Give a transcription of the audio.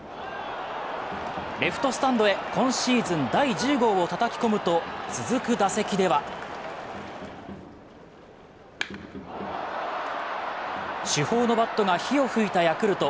レフトスタンドへ今シーズン第１０号をたたき込むと続く打席では主砲のバットが火を吹いたヤクルト。